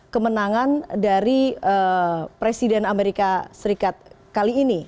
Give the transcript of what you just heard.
kemenangan dari presiden amerika serikat kali ini